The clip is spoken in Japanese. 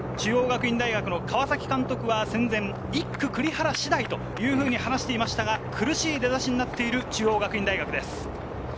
中央学院大学の川崎監督は戦前、１区・栗原次第と話していましたが苦しい出だしになっている中央学院大学です。